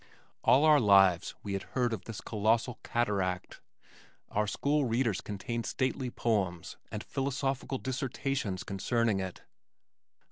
All our lives we had heard of this colossal cataract. Our school readers contained stately poems and philosophical dissertations concerning it.